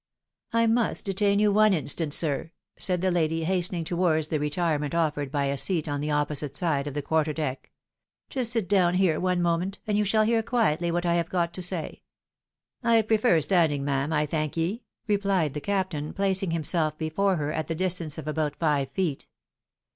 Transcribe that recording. " I must detain you one instant, sir,'' said the lady, hasten ing towards the retirement offered by a seat on the opposite side of the quarter deck ;" just sit down here one moment, and you shaU hear quietly what I have got to say." i " I prefer standing, ma'am, I thank ye," rephed the captain, placing himself before her at the distance of about five feet.